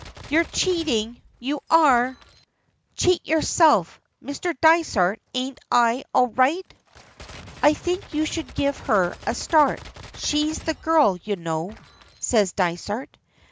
"You're cheating you are!" "Cheat yourself! Mr. Dysart, ain't I all right?" "I think you should give her a start; she's the girl, you know," says Dysart.